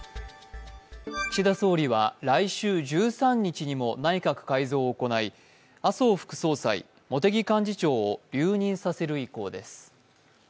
岸田総理は来週１３日にも内閣改造を行い麻生副総裁、茂木幹事長を留任させる意向です。